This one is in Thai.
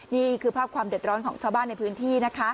นี่คือภาพความเดือดร้อนของชาวบ้านในพื้นที่นะคะ